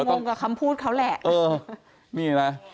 เรางงกับคำพูดเขาแหละ